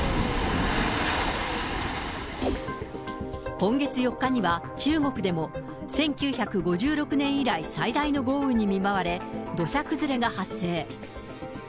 今月４日には、中国でも、１９５６年以来、最大の豪雨に見舞われ、土砂崩れが発生。